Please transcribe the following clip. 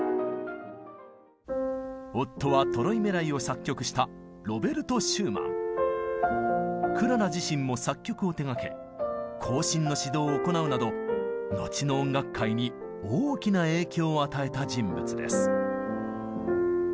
夫は「トロイメライ」を作曲したクララ自身も作曲を手がけ後進の指導を行うなど後の音楽界に大きな影響を与えた人物です。